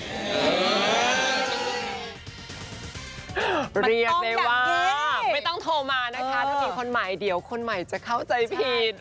เรียกได้ว่าไม่ต้องโทรมานะคะถ้ามีคนใหม่เดี๋ยวคนใหม่จะเข้าใจผิด